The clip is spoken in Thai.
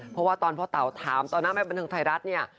เพราะว่าตอนพ่อเต๋าถามต่อหน้าแม่บันเทิงไทยรัฐเนี่ย